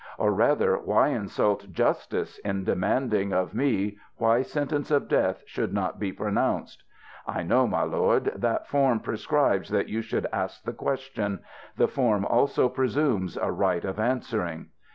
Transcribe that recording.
or rather why insult justice, in demanding of me why sentence of death should not be pronounced ? I know, my lord, that form prescribes that you should ask the question ; the form also pre sumes a right of answering.